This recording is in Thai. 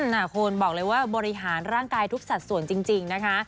นาคุณบอกเลยว่าบริหารร่างกายทุกสัดส่วนจริงนะคะ